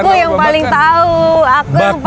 aku yang paling tahu aku yang paling